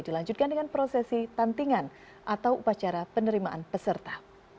dilanjutkan dengan prosesi tantingan atau upacara penerimaan peserta